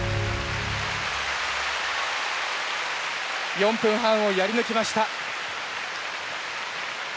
４分半をやり抜きました！